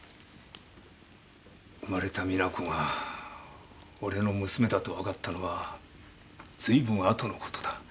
生まれた実那子が俺の娘だと分かったのはずいぶん後のことだ。